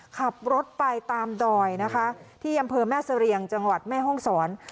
ขับรถไปตามดอยนะคะที่อำเภอแม่เสรียงจังหวัดแม่ห้องศร